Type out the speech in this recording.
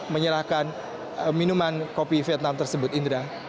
menyerahkan minuman kopi vietnam tersebut indra